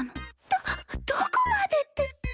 どどこまでって。